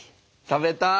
食べたい。